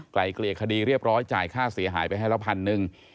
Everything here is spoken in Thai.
ไกลเกลี่ยคดีเรียบร้อยจ่ายค่าเสียหายไปให้ละพันหนึ่ง